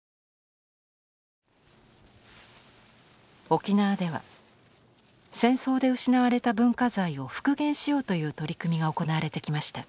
沖縄では戦争で失われた文化財を復元しようという取り組みが行われてきました。